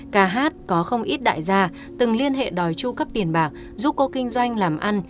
ca hát có không ít đại gia từng liên hệ đòi tru cấp tiền bạc giúp cô kinh doanh làm ăn